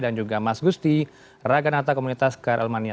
dan juga mas agusti raganata komunitas krl mania